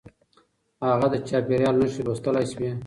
هغه د چاپېريال نښې لوستلای شوې.